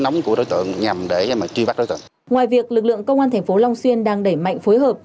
ngoài việc lực lượng công an tp long xuyên đang đẩy mạnh phối hợp